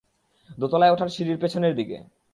দোতলায় ওঠার সিঁড়ি পেছনের দিকে।